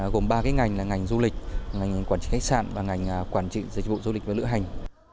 gồm ba cái ngành là ngành du lịch ngành quản trị khách sạn và ngành quản trị dịch vụ du lịch và lựa hành